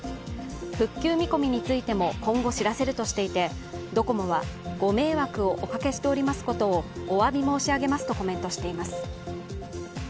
復旧見込みについても今後、知らせるとしていてドコモはご迷惑をおかけしておりますことをお詫び申し上げますとコメントしています。